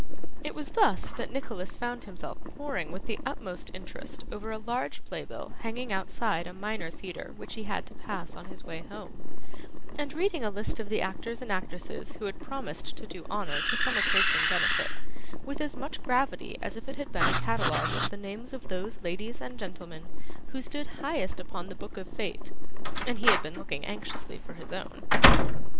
It was thus that Nicholas found himself poring with the utmost interest over a large play bill hanging outside a Minor Theatre which he had to pass on his way home, and reading a list of the actors and actresses who had promised to do honour to some approaching benefit, with as much gravity as if it had been a catalogue of the names of those ladies and gentlemen who stood highest upon the Book of Fate, and he had been looking anxiously for his own.